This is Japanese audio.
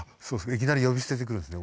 いきなり呼び捨てで来るんですね。